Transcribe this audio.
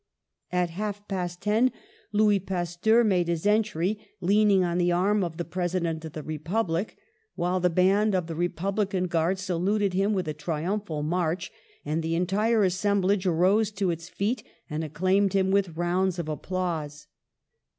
At half past THE SUPREME HOMAGE 193 ten Louis Pasteur made his entry, leaning on the arm of the President of the Republic, while the band of the Republican Guard saluted him with a triumphal march, and the entire assem blage arose to its feet and acclaimed him with rounds of applause.